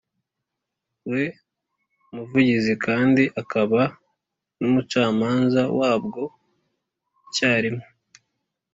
, we Muvugizi kandi akaba n’Umucamanza wabwo icyarimwe.